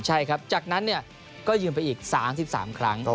จากนั้นเนี่ยก็ยืมไปอีก๓๓ครั้ง